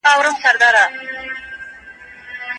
انټرنيټ د زده کړې لپاره لویه سرچینه ده.